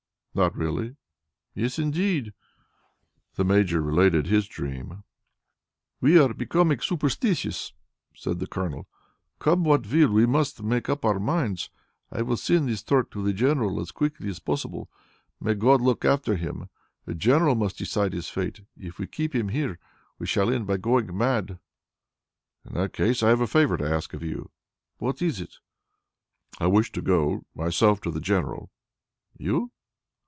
"Not really." "Yes, indeed." The Major related his dream. "We are becoming superstitious," said the Colonel. "Come what will, we must make up our minds. I will send this Turk to the General as quickly as possible. May God look after him! The General must decide his fate. If we keep him here, we shall end by going mad." "In that case I have a favour to ask of you." "What is it?" "I wish to go myself to the General." "You?"